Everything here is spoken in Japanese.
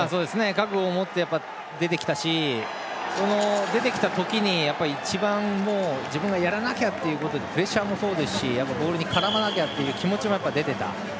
覚悟を持って出てきたし出てきた時に自分がやらなきゃとプレッシャーもそうだしボールに絡まなきゃという気持ちも出ていた。